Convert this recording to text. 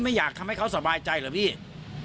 หมอปลาขยีน